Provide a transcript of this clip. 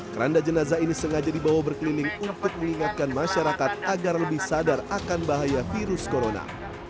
keranda jenazah ini sengaja dibawa berkeliling untuk mengingatkan masyarakat agar lebih sadar akan bahaya virus corona